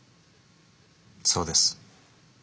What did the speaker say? そうです。